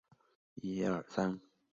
马尔坦瓦斯。